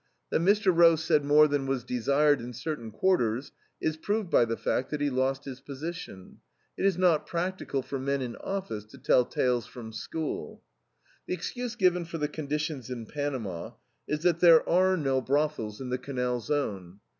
That Mr. Roe said more than was desired in certain quarters is proved by the fact that he lost his position. It is not practical for men in office to tell tales from school. The excuse given for the conditions in Panama is that there are no brothels in the Canal Zone.